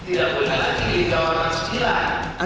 tidak boleh lagi dijawabkan sekilas